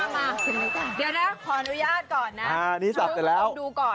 มาเดี๋ยวนะขออนุญาตก่อนนะนี่สับได้แล้ว